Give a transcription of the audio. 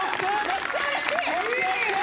めっちゃうれしい。